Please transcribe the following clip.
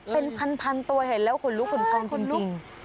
เป็นพันตัวเห็นแล้วขนลุกขนพองจริง